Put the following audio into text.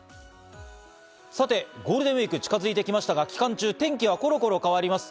さてゴールデンウイークが近づいてきましたが、期間中、天気はコロコロ変わります。